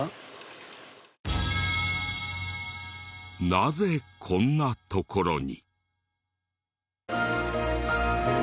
なぜこんな所に？